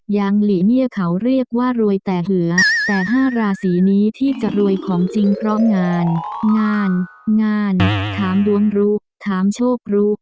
อย่างหลีเนี่ยเขาเรียกว่ารวยแต่เหือแต่๕ราศีนี้ที่จะรวยของจริงเพราะงานงานถามดวงรู้ถามโชครู้